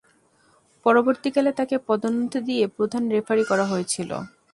পরবর্তীকালে তাকে পদোন্নতি দিয়ে প্রধান রেফারি করা হয়েছিল।